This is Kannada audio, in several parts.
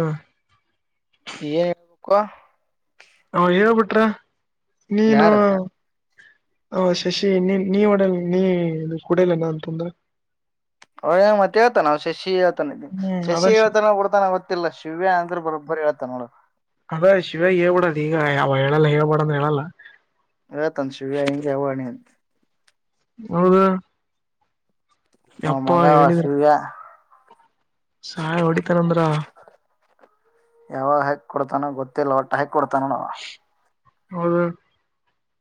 ಹಾ ಏನ್ ಹೇಳ್ಬೇಕು ಅವ ಹೇಳ್ಬಿಟ್ರ ನೀನು ಯಾರು ಹ ಶಶಿ ನೀ ನೀ ಡಲ್ ನೀ ಕಡಲ್ಲ ನ ತುಂದ್ರ ಹ ಮತ್ತ ಹೇಳ್ತಾನ ನಾವು ಶಶಿ ಹೇಳ್ತಾನ ಹ್ಮ್ ಅದ ಶಶಿ ಹೇಳ್ತಾನ ಬಿಡ್ತಾನ ಗತ್ತ ಗಲ್ಲ ಶಿವ್ಯ ಅಂದ್ರೆ ಬರಬ್ಬರಿ ಹೇಳುತ್ತಾನೋಡ ಅದ ಶಿವ ಹೇಳ್ಬೇಡದು ಈಗ ಯಾವ ಹೇಳಲ್ಲ ಹೇಳ್ಬೇಡಂದ ಹೇಳಲ್ಲ ಹೇಳುತ್ತೇನೆ ಅಂತ ಶಿವ್ಯಾ ಹೌದಾ ಮಗಾ ಶಿವ್ಯಾ ಸಾಹ ಹೊಡಿತಾನಂದ್ರ ಯಾವಾಗ ಹಾಕಿ ಗೊತ್ತಿಲ್ಲ ಒಟ್ಟ ಹಾಕ್ ಕೊಡ್ತಾನೋ ಅದು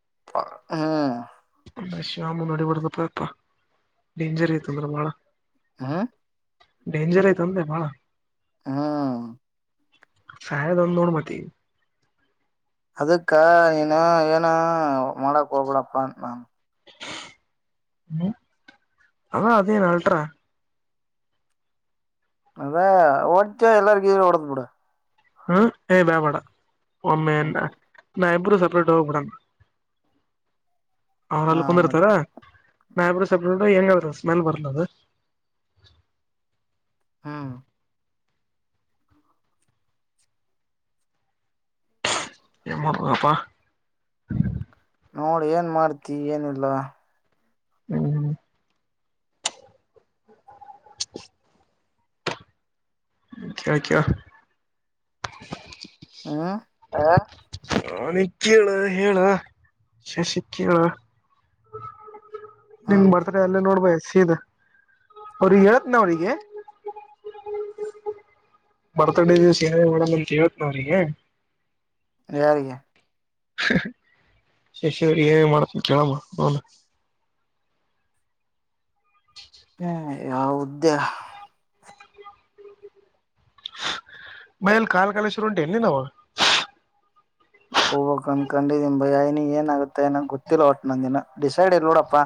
ಹ್ಮ್ ಅ ಶ್ಯಾಮು ನಡಿಬಾರ್ದಪ್ಪಪ್ಪ ಡೇಂಜರ್ ಐತಂದ್ರ ಬಾಳ್ ಹ್ಮ್ ಡೇಂಜರ್ ಆಯ್ತು ಅಂದೆ ಬಾಳ ಹಾ ಸಹಾಯದಂದೋಣ ಮತಿ ಅದಕ್ಕ ನೀನು ಏನ ಮಾಡಕ್ ಹೋಗ್ಬಿಡಪ್ಪ ನಾನ್ ಹ್ಮ ಅ ಅದೇನು ಅಲ್ಟ್ರಾ ಅದೇ ಓಡ್ತ ಎಲ್ಲಾರ್ ಗೀ ಓಡದ್ ಬಿಡ ಹ್ಮ ಏ ಬೆಡ ಬೇಡ ಒಮ್ಮೆ ನ ಸಪ್ರೇಟ್ ಹೋಗ್ಬಿಡಣ ಹಾ ಅವ್ರಲ್ಲಿ ಮತ್ ಕುಂದಿರ್ತಾರ ನಾವ ಇಬ್ರೂ ಸಪ್ರೇಟ ಹೇಂಗರೂ ಸ್ಮೆಲ್ ಬರತ್ದ ಹಾ ಎ ಅಪಾ ನೋಡಿ ಏನ್ ಮಾಡ್ತಿ ಏನಿಲ್ಲ ಹ್ಮ್ ಹ್ಮ ಕೇಳ ಕೇಳ ಹ್ಮ್ ಹ ಹಾನ ಕೇಳ ಹೇಳ ಶಶಿ ಕೇಳ ನಿಂಗ ಹ್ಮ್ ಬರ್ತ್ರ ಅಲ್ಲೇ ನೋಡ್ಬ ಸೀದ ಅವ್ರಿಗೆ ಹೇಳತ್ನ ಅವ್ರಿಗೆ ಬರ್ತಡೇ ದಿವಸ್ ಏನ ಮಾಡಣ ಅಂತ ಹೇಳೇತ್ ನಾವ್ರಿಗೆ ಯಾರಿಗೆ ಶಶ್ ಏನ ಮಾಡ್ತ ಕೇಳಮ್ಮ ನನು ಯವುದೇ ಮೈಲ್ ಕಾಲ್ ಕಳೇಶ್ವರ ಉಂಟು ಎಲ್ಲಿ ನವು ಹೋಗ್ಕ್ಂದ ಕಂಡಿದನ್ ಬಯನಿ ಏನ ಆಗುತ್ತೆ ಏನ ಗೊತ್ತಿಲ್ಲ ಒಟ್ಟ ನಂದ ದಿನ ಡಿಸೈಡ್ ಇಲ್ ನೋಡಪ್ಪಾ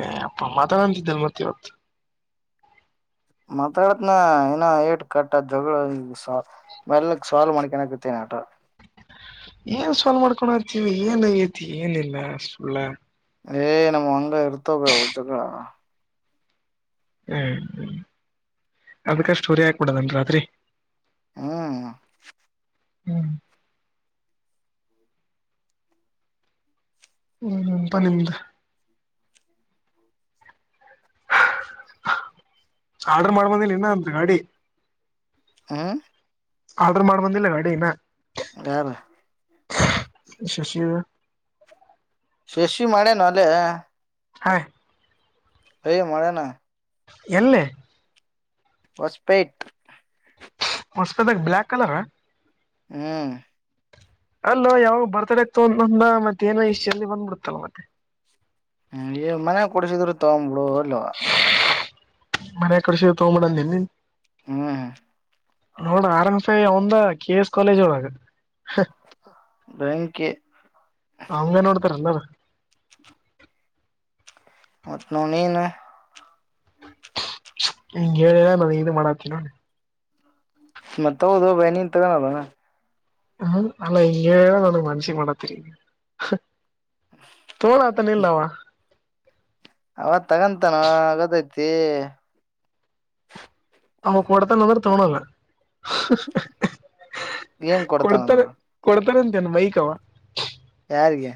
ಏ ಅಪ್ಪ ಮಾತಾಡಂತಿದ್ದಲ್ ಮತ್ತೆ ಇವತ್ತು ಮಾತಾಡತ್ನ ಏನ ಏಟ್ ಕಟ್ಟ ಜಗಳ ಈ ಮೆಲ್ಲಕ್ ಸಾಲ್ವ್ ಮಾಡ್ಕನಕತ್ತೇನ ನಟ ಏನ್ ಸ್ವಲ್ ಮಾಡ್ಕೊಂಡತಿವಿ ಏನ್ ಆಗೆತಿ ಏನಿಲ್ಲ ಸುಳ್ಳ ಏ ನಮ್ ಹಂಗ ಇರ್ತಾವ ಬೆ ಜಗಳ ಹ್ಮ್ ಹ್ಮ್ ಅದಕಷ್ಟೋರಿ ಆಕ್ ಬಿಡದನ್ ರಾತ್ರಿ ಹ್ಮ್ ಹ್ಮ್ ಹ್ಮ್ ನಿಮ್ದು ಆಡರ್ ಮಾಡ್ಬಂದಿಲ್ಲ ಇನ್ನ ಅದ ಗಾಡಿ ಹ ಆರ್ಡರ್ ಮಾಡಿ ಬಂದಿಲ್ಲ ಗಾಡಿ ಇನ್ ಯಾರ ಶಶೀ ಶಶಿ ಮಾಡೆನಲ್ಲೆ ಹ. ಯ ಮಾಡೆನ. ಎಲ್ಲಿ. ಹೊಸಪೇಟ್. ಹೊಸ್ಪೇದ ಬ್ಲಕ್ ಕಲರ್. ಹ್ಮ್. ಅಲ್ಲ ಯಾವಾಗ ಬರ್ತಡೆ ಆಗ್ತ ಅಂತಂದ ಮತ್ತೇ ಏನೋ ಇಷ್ಟಲ್ಲಿ ಬಂದ್ಬಿಡ್ತಲ್ಲ ಮತ್ತೆ. ಹ್ಮ ಮನೆ ಕೊಡಸಿದ್ರು ತಗೊಂಬಿಳ ಅಲ್ವಾ. ಮನ ಕಡಸ ತಗೊಂಬ ನೀ. ಹ್ಮ. [inaudible] ಒಂದ ಕೆ ಎಸ್ ಕಾಲೇಜ್ ಒಳಗೆ. ಬೆಂಕಿ ಹಂಗ ನೋಡ್ತಾರ ಯಲ್ಲಾರ. [unintelligible] ನೀನ. ಹಂಗ ಹೇಳಿಲ್ಲ ನನ್ಗೆ ಇದು ಮಾಡಾತನ. ಮತ್ತತ್ ಹೌದು ಭಯ ನೀನ್ ತಗಾನೋದಣ. ಹ್ಮ ನಲ್ಲ ಇ ನನಗೆ ಮನಷಿಗೆ ಮಾಡತರ. ತೋಗಳತ ನಿಲ್ಲವಾ. ಅವತ್ ತಗಂತಾನ ಗೊತ್ತೈತಿ. ಅವ್ನು ಕೊಡ್ತಾನೆ ಅಂದ್ರೆ ತಗೋಳಲ್ಲ. ಏನ್ ಕೊಡ್ತಾನಂದ. [unintelligible] ತೇನು ಮೈಕವ. ಯಾರಿಗೆ.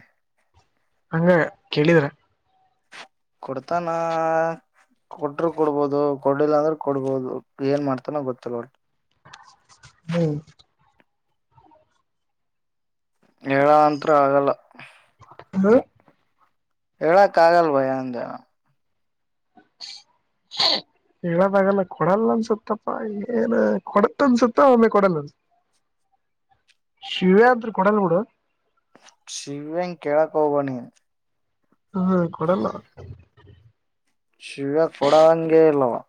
ಹಂಗ ಕೇಳಿದ್ರ. ಕೊಡ್ತಾನ. ಕೊಟರು ಕೊಡ್ಬೋದು ಕೊಡಈ ಲ್ಲ ಅಂದ್ರೆ ಕೊಡ್ಬೋದು ಏನ್ ಮಾಡ್ತಾನೋ ಗೊತ್ತಿಲ್ಲ ಹೊಟ್. ಹ್ಮ್. ಹೇಳ ಅಂತ್ರ ಆಗಲ್ಲ. ಹಲೋ. ಹೇಳಕ್ಕಾಗಲ್ಲ ಭಯ ಅಂದ. [inaudible] ಹೇಳದಾಗಲ್ಲ ಕೊಡಲ್ಲ ಅನ್ಸುತ್ತಪ್ಪಾ ಏನ್ ಕೊಡತ್ ಅನ್ಸುತ್ತ ಒಮ್ಮೆ ಕೊಡಲ್ಲ ಅನ್ಸುತ್ತ. ಶಿವ ಅಂದ ಕೊಡಲ್ ಬಿಡು. ಶಿವವೆಂ ಕೇಳಕೋಬೇಡ ನೀನು. ಹ್ಮ ಕೊಡಲ್ಲ. ಶಿವ ಕೊಡ ಹಂಗೆ ಇಲ್ಲವಾ.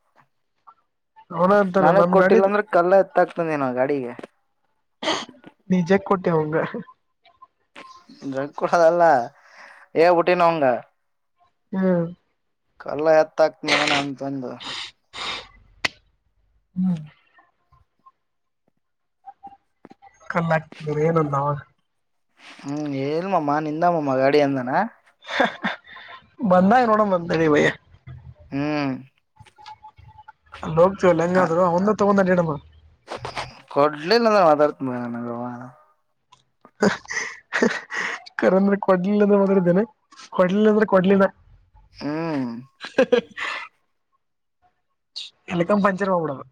ಅವನ ಅಂತಾನ ನಾನಗ್ ನನ್ ಕೊಟ್ಟಿಲ್ಲ ಗಾಡಿದ್ ಅಂದ್ರೆ ಕಲ್ಲ ಎತ್ತಾಗಕ್ತಂದೆ ನ ಗಾಡಿಗೆ. ನಿಜ ಕೊಟ್ಟಿ ಹಂಗ. ಕೂಡದಲ್ಲ ಏಲೀಟ್ಟಿನವಂಗ. ಹ್ಮ. ಕಲ್ಲ ಎತ್ತ ಆಕ್ತ್ ಮಗನ ಅಂತ ಬಂದು. ಹ್ಮ್. ಕಲ್ಲ ಆಕ್ತಿದ್ರ ಏನಂದ ಅವಾಗ. ಹ್ಮ್ ಹೇಳಲ್ಮ್ಮ ನಿಂದಾಮಮ್ಮ ಗಾಡಿ ಅಂದಾನ. ಬಂದ ನೋಡ ಬಂದಂತಾರೆ ಭಯ. ಹ್ಮ್. ಅಲ್ಲಿ ಹೋಗ್ತತಿವಲ್ಲ ಹ ಹೆಂಗಾದರು ಒಂದ [unintelligible] ಒಂದಡ. ಕೊಡ್ಲಿಲ್ಲ ಅಂದ ಮಾತಾಡ್ತ. [unintelligible] ಕರ ಅಂದ್ರೆ ಕೊಡ್ಲಿಲ್ಲ ಅಂದ್ರೆ ಮದರ ಇದ್ದೇನೆ ಕೊಡ್ಲಿಲ್ಲ ಅಂದ್ರೆ ಕೊಡ್ಲಿಲ್ಲ. ಹ್ಮ್ [unintelligible] ಎಲೆಕ್ಕ ಪಂಚರ್ ಮಾಡ್ಬಿಡೋದು.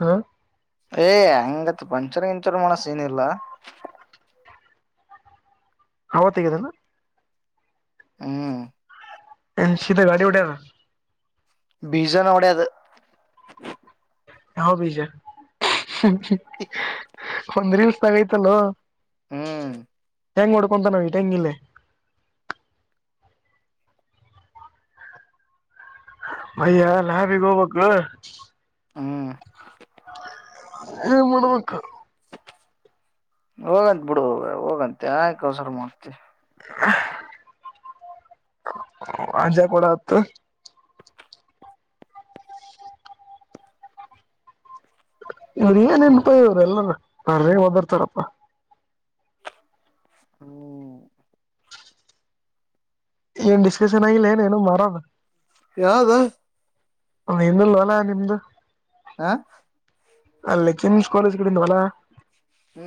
ಹಾ ಏ್ ಹೆಂಗತ್ ಪಂಚರ್ ಗಿಂಚರ್ ಮಾಡೋ ಸೀನ್ ಇಲ್ಲ [unintelligible] ಹ್ಮ್ [unintelligible] ಗಾಡಿ ಉಡ್ಯಾರ ಬೀಜನ ಒಡಿಯದು ಯಾವ್ ಬೀಜ [unintelligible] ಒಂದ್ ರೀಲ್ಸ್ ದಾಗ ಐತ್ ಅಲೋ ಹ್ಮ್ ತೆಂಗ್ ಹೊಡ್ಕೊಂತಾನ [unintelligible] ಇಲ್ಲೇ ಅಯ್ಯ ನಾವ್ [unintelligible] ಹ್ಮ್ ಏನ್ ಮಾಡ್ಬೇಕು ಹೋಗಂತೆ ಬಿಡು ಹೋಗಂತ ಯಾಕ್ ಅವಸರ ಮಾಡ್ತಿ. [unintelligible] ಅಜ ಕೊಡ ಅತ್ತ್ ಇವ್ರು ಏನ್ ಎನ್ಪ ಇವರು ಎಲ್ಲಾರ ಬರೇ ಓದಿರ್ತಾರಪ್ಪಾ ಹ್ಮ್ ಏನು ಡಿಸಕಶನ್ ಆಗಿಲೆನ್ ಏನು ಮಾಡಣ. ಯಾವ್ದ ಹಾ ಇನ್ನೂಲಾಲಾ ನಿಮ್ದು ಆ ಆ ಲೇಖಿನ್ಸ್ ಕಾಲೇಜ್ ಕಡೆಯಿಂದ ಅಲಾ ಹ್ಮ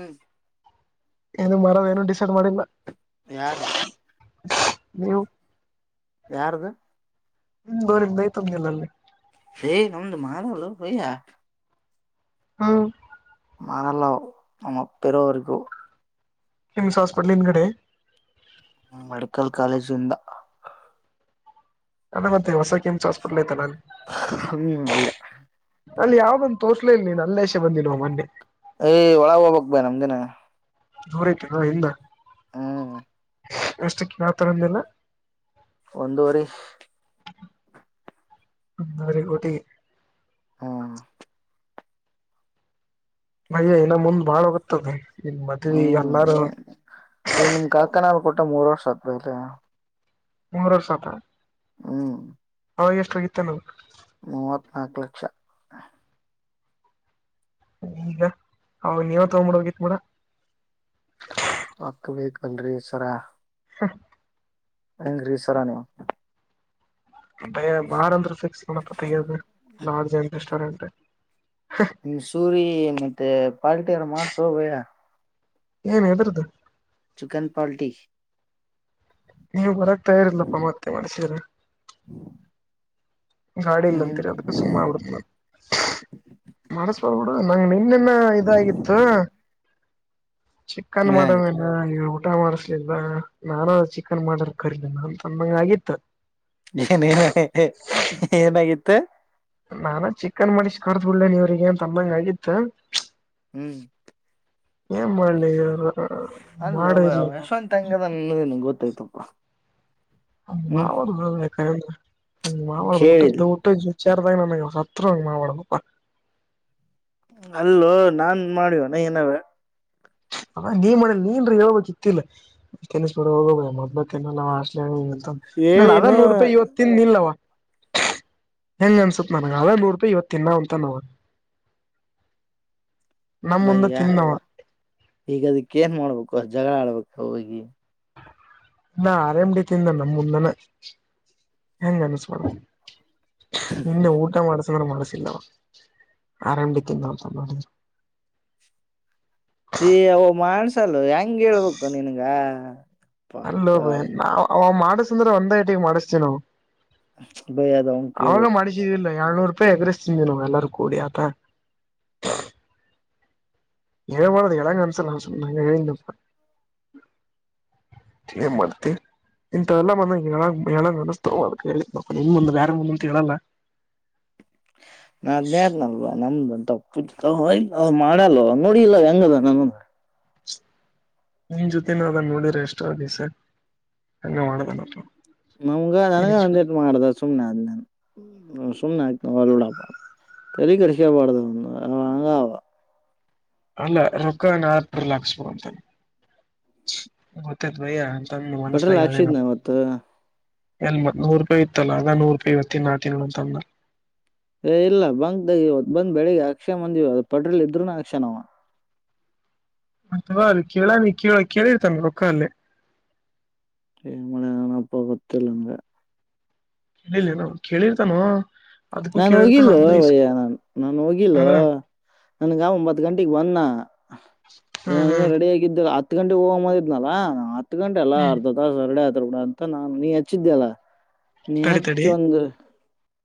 ಏನು ಮರ ಏನು ಡಿಸೈಡ್ ಮಾಡಿಲ್ಲ ಯಾರು [unintelligible] ನೀವು ಯಾರ್ದ್ ಹ್ಮ್ [unintelligible] ಐತ್ ಅಂದೇ ಅಲಾ ಅಲ್ಲಿ ಹೇ ನಮ್ದ [unintelligible] ಹಾ ಮರಲ್ಲವ್ [unintelligible] ಬೇರೆ ಅವರಿಗೂ ಕಿಮ್ಸ್ ಹಾಸ್ಪಿಟಲ್ ಹಿಂದ್ಗಡೆ ಹ್ಮ ಮೆಡಿಕಲ್ ಕಾಲೇಜ್ ಇಂದ ಅಲ್ಲ ಮತ್ತೆ ಹೊಸ ಕೆಮ್ಸ್ ಹಾಸ್ಪೆಟ್ಲ್ ಐತಲ ಅಲ್ಲ್ ಹ್ಮ್ ಅಲ್ಲೇ ಅಲ್ಲಿ ಯಾವ್ದ್ನಂತ್ ತೋರ್ಸಲೆ ಇಲ್ಲ ನೀನ್ ಅಲ್ಲೇ ಎಷೆ ಬಂದಿಲ್ವಾ ಮಂಡೇ ಏ ಒಳಗ್ ಹೋಗ್ಬೇಕ್ ಬಾ ನಮ್ದಿನ. [unintelligible] ಹಿಂದ ಹ್ಮ್ ಇಷ್ಟ ಕೇಳ್ತಾರ್ ಅಂದ್ಯಲ್ಲ ಒಂದೂವರಿ ಒಂದುವರಿ ಕೋಟಿ ಹ್ಮ್ ಮಯ್ಯ ಇನ್ನು ಮುಂದ್ ಬಾಳ್ ಹೋಗತದೆ ನಿನ್ ಮದ್ವಿ ಹ್ಮ್ ಎಲ್ಲಾರು ಈಗ ನಿಮ್ ಕಾಕನಾಲ್ ಕೊಟ್ಟ ಮೂರ್ ವರ್ಷ ಆದ್ಮೇಲೆ ಮೂರ್ ವರ್ಷ್ ಆತ ಹ್ಮ ಅವಾಗ್ ಎಸ್ಟ್ ಆಗಿತ್ತೇನೋ ಮುವ್ವತ್ತ್ನಾಲ್ಕ್ ಲಕ್ಷ [unintelligible] ಅವಗ್ ನೀವ ತಗಬಿಡ್ಬೇಕಿತ್ತ ನೋಡ ರೊಕ್ಕ್ ಬೇಕಲ್ರಿ ಸರ ಹ ಹೆಂಗ್ ರಿ ಸರ್ ನೀ ಬಾರಂದ್ರ ಫಿಕ್ಸ್ ಮಾಡಪ್ಪ ತೆಗಿಯೋದ ಲಾರ್ಡ್ ಜೆಂ ರೆಸ್ಟೋರೆಂಟ್ ನಿ್ ಸೂರಿ ಮತ್ತೆ ಪಾರಟ ಯಾರ ಮಾಡ್ಸ ಬೈ ಏನ್ ಇದ್ರ್ದು ಚಿಕನ್ ಪಲ್ಟಿ ನೀವು ಬರಕ್ತಾ ಇರ್ಿಲ್ಲಪ್ಪ ಮತ್ತೆ ಮಾಡಸಿದಾರ ಗಾಡಿ ಇಲ್ಲ ಹ್ಮ್ ಅಂತೀರಿ ಅದಕ್ಕೆ ಸುಮ್ಮ ಆಗ್ಬಿಡ್ನಿ ನಾನು ಮಾಡಸ್ಬೋಬ ಬಿಡು ನಂಗ ನಿನ್ನೆನ್ನ ಇದಾಗಿತ್ತು ಚಿಿಕನ್ ಮಡಮ್ ಏನಾಗಿತ್ತು ಎಲ್ಲ ಇ ಊಟ ಮಾಡಿಸಲಲ್ವಾ ನಾನು ಅ ಚಿಕನ್ ಮಾಡರ್ ಕರಿಲಿಲ್ಲ ನಾಂತಂದಂಗ ಆಗಿತ್ತ ಏನೇನ ಏನಾಗಿತ್ತ ನಾನ ಚಿಕನ್ ಮಾಡಿಸ್ ಕರ್ದ್ ಬಿಡ್ೇನೆ ಇವ್ರಿಗೆ ಏನ್ ತಮ್ಮಂಗ ಆಗಿತ್ತು ಹೂ ಏನ್ ಮಾಡ್ಲಿ ಅಲ್ಲ ಮಾಡಿಲ್ಲ ಯಶವಂತ ಹೆಂಗದ ನಿಂಗೂ ಗೊತ್ತಾಯ್ತಪ್ಪ ಹ್ಮ್ ಮಾವಳ ನ ಮಾವ ಊಟ ಕೇಳಿದ್ ದ ಊಟೆ ಾರದ ನಗೆ ಸತ್ರುವ ಮಾವಡ ಅಲ್ಲೋ ನಾನ್ ಮಾಡಿವನ ಏನರಾ ಅ ನೀನ್ ಮಾಡ ನೀನ್ ಹೇಳ್ಬೇಕಕ್ ಇತ್ತಲ್ಲ ತನ್ಸ್ ಬರ ಹೋಗಬ ಮೊದ್ ಅದ ಹೇಳಿನು ನೂರ್ ರೂಪಾಯಿ ಇವತ್ತ ತಿಿಂದ ನಿಲ್ವ ಹೆಂಗ ಅನ್ಸತ್ ನನಗೆ ಅವೇ ಮೂರು ರೂಪಾಯಿ ಇವತ್ತು ತಿನ್ನಂತ ನವು ಹ ಬಯ್ಯಾ ಈಗದಕ್ಕ ಏನ್ ಮಾಡ್ಬೇಕು ಜಗಳ ಆಡ್ಬೇಕ ಹೋಗಿ ನಾ ಆರೇಾಮ್ಡಿ ತಿಿಂದ ನಮ್ಮ ಮುಂದಾನ ಹೆಂಗ ಅನ್ಸ್ಬಡ ನಿನ್ನೆ ಊಟ ಮಾಡ್ಸ ಂದ ಮನಸಿಲ್ಲ ಆರಂಭಡಿ ಏ ಅ ಮಾಡನ್್ಸಲ್ಲ ಹೆಂಗ ಹೇಳ್ಬೇಕು ನಿನ್ಗ ಅಲ್ಲೋಬಯ ನಾ ಅವ ಮಾಡಸಂದ್ರೆ ಒಂದ ಐಟಿಗೆ ಮಾಡಿಸ್ತೀ ನಾವು ಬೈ ಅದ ಅವನ್ ಕೇಳ್ಬೇಕು ಅವಾಗ ಮಾಡಡಿಸಿದಿಲ್ಲ ಎಏಳ್ನೂರು ರೂಪಾಯಿ ಎಗ್ರಸ್್ತೀವಿ ನಾವ್ ಎಲ್ಲಾರೂ ಕೂಡಿ ಆತ ಎಳ ಮಾಡದು ಎಳಂಗ ಅನಸಲ ಎಪ್ಪ ಮತ್ ಏನ್ ಮಾಡ್ತೆ ಇಂತಲ್ಲಾ ಮಂದ ಹೇಳ ಹೇಳ ಅನಸ್ತವ ಅದ ಕ ಬಂದ ಬ ಮುಂದ ಅಂತ ಹೇಳಲ್ಲ ಹ ನಾದ್ನೇದನಲ್ವಾ ನಮ್ದುಂತ ಪ್ಪ ಇ ಮಾಡಲ್ಲ ನೋಡಿ ಇಲ್ಲ ಹೆಂಗದ ನನ್ನಂದ್ರ ನಿನ್ ಜೊತೆನ ಅದನ್ ನೋಡಿರ ಎಷ್ಟ ದಿವಸೆ ಹಂಗ ಮಾಡದನತ್ರ ನಮ್ಗ ನನಗ ಒಂದಟು ಮಾಡ್ದ ಸುಮ್ನೆ ಆದ್ ಸುಮ್ನೆ ಆತ ಹೊರ್ಡಪ್ಪ ಹ ತಲಿ ಕೆಡಿಸ್ಕೋಬಾರ್ಡು ಅವ ಹಂಗ ಅವ ಅಲ್ಲ ರೊಕ್ಕ ನಲ್ ಹಾಕ್ಸ್ಬೋ ಅಂತ ಗೊತ್ತಾಯತ್ ಬೈ ತನ್ನ ಮನಸ್ತ ಪೆಟ್ರೋಲ್ ಯಿನ ಹಾಕ್ಸಿದ್ನ ಅವತ್ತು ಎಲ್ಮತ್ ನೂರು ರೂಪಾಯಿ ಇತ್ತಲ್ಲ ಆಗ ನೂರು ರೂಪಾಯಿ ಇತ್ತ ನಾ ತಿನ್ ಅ್ಣ ಏ ಇಲ್ಲ ಬಂಗಕ್ ಬಂದ್ ಬೆಳಿಗ್ಗೆ ಹಾಕ್ಸ್ ಅಂದ ಪಟ್ರೋಲ್ ಇದ್ರುನು ಅಕ್ಷ ನವ ಅಥವಾ ಅ ಕೇಳಾನ ಕೇಳ ಕೇಳಿರ್ತಾನ ರೊಕ್ಕ ಅಲ್ಲೇ ಮಾಡಲೆಾನಪ್ಪ ಗೊತ್ತಿಲ್ಲಂಗ ಕಿಲ್ಲ ನ ಕೇಳಿರ್ತಾನೋ ಅದಕ್ಕೂ ನಾನ್ು ಕೇಳಿರ್ತಾನ ಹದ್ನೈದು ಹೋಗಿಲ್ಲಯ್ಯ ನಾ ನಾನು ಹೋಗಿಲ್ಲ ಅದ ನನ್ಗ ಒಂಬತ್ ಗಂಟಗ್ ಬಂದ ಹ್ಮ್ ಇನ್ನ ಹ್ಮ್ ರೆಡಿ ಆಗಿದಿಲ್ಲ ಹತ್ತು ಗಂಟೆಗೆ ಹೋಗ್ದಿದ್ನಲ್ಲಾ ಹತ್ತು ಗಂಟೆ ಅಲ್ಲ ಹ್ಮ್ ಅರ್ಧದ ತಾಸ ರೆಡಿ ಡ ಅಂತ ನಾ ನೀ ಹಚ್ಚಿದ್ದೆಲ್ಲ ನೀ ತಡಿ ತಡಿ ಹಚ್ಚೊಂದ